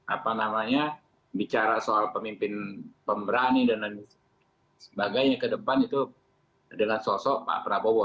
apa namanya bicara soal pemimpin pemberani dan lain sebagainya ke depan itu dengan sosok pak prabowo